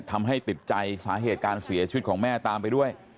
ทำให้ติดใจสาเหตุการเสียชีวิตของแม่ตามไปด้วย